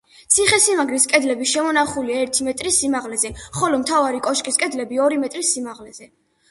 ციხესიმაგრის კედლები შემონახულია ერთი მეტრის სიმაღლეზე, ხოლო მთავარი კოშკის კედლები ორი მეტრის სიმაღლეზე.